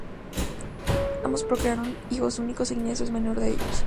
Ambos procrearon cinco hijos e Ignacio es el menor de ellos.